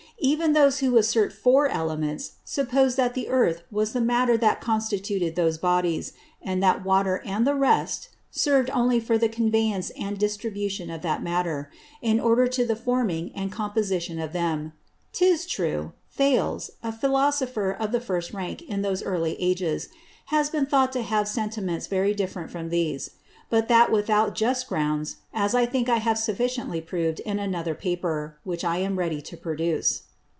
Even those who asserted four Elements, supposed that the Earth was the Matter that constituted those Bodies; and that Water and the rest, serv'd only for the Conveyance and Distribution of that Matter, in order to the forming and composition of them. 'Tis true, Thales, a Philosopher of the first Rank in those early Ages, has been thought to have Sentiments very different from these; but that without just Grounds, as I think I have sufficiently prov'd in another Paper, which I am ready to produce.